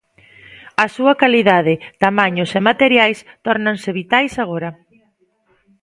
A súa calidade, tamaños e materiais tórnanse vitais agora.